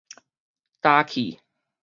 焦去